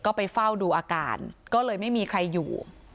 ก็ไปเฝ้าดูอาการก็เลยไม่มีใครอยู่